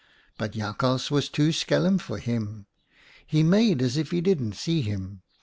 But Jak hals was too schelm for him. He made as if he didn't see him.